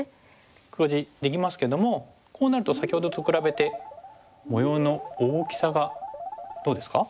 黒地できますけども先ほどと比べて模様の大きさがどうですか？